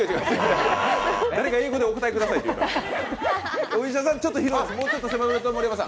誰が「英語でお答えください」って言った？